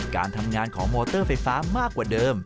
การทำงานของมอเตอร์ไฟฟ้ามากกว่าเดิม